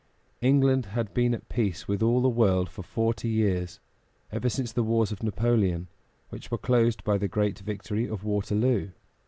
England had been at peace with all the world for forty years, ever since the wars of Napoleon, which were closed by the great victory of Waterloo.